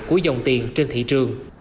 của dòng tiền trên thị trường